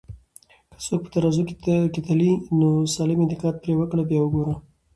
که څوک په ترازو کي تلې، نو سالم انتقاد پرې وکړه بیا وګوره